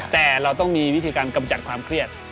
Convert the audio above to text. แต่เราต้องมีวิธีการกำจัดความเครียด